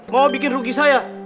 mau bikin rugi saya